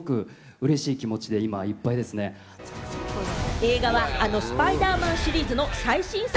映画はあの『スパイダーマン』シリーズの最新作。